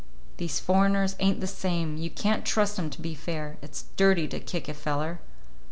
"These foreigners ain't the same. You can't trust 'em to be fair. It's dirty to kick a feller.